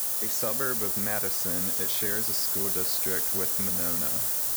A suburb of Madison, it shares a school district with Monona.